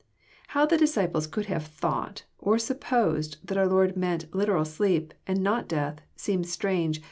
How the disciples could have " thought " or " supposed " that our Lord meant literal sleep, and not death, seems strange.